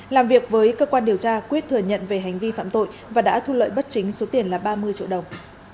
làm việc với cơ quan điều tra quyết thừa nhận về hành vi phạm tội và đã thu lợi bất chính số tiền là ba mươi triệu đồng